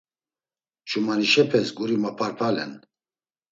Ç̌umanişepes guri maparpalen.